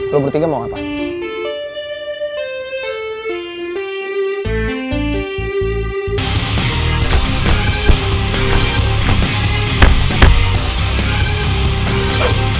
lo bertiga mau apa